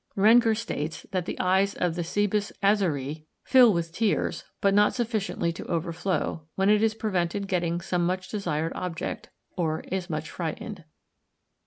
Rengger states that the eyes of the Cebus azaræ fill with tears, but not sufficiently to overflow, when it is prevented getting some much desired object, or is much frightened.